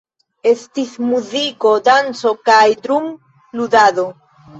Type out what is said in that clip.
Estis muziko, danco kaj drum-ludado.